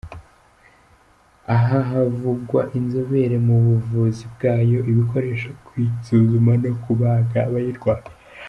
Aha havugwa inzobere mu buvuzi bwayo, ibikoresho byo kuyisuzuma no kubaga abayirwaye.